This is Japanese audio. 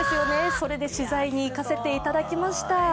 それで取材に行かせていただきました。